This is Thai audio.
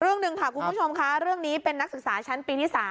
เรื่องหนึ่งค่ะคุณผู้ชมค่ะเรื่องนี้เป็นนักศึกษาชั้นปีที่๓